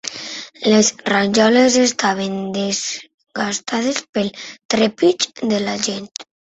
Les rajoles estaven desgastades pel trepig de la gent.